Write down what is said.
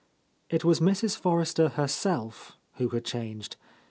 It was Mrs. Forrester herself who had changed.